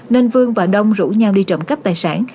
nên vương và đông rủ nhau đi trộm cắp tài sản